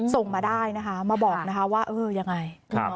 ส่งมาได้นะคะมาบอกนะคะว่าเออยังไง